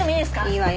いいわよ。